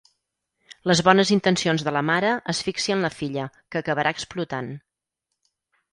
Les bones intencions de la mare asfixien la filla, que acabarà explotant.